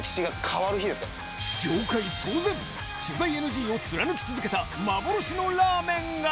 業界騒然！取材ＮＧを貫き続けた幻のラーメンが！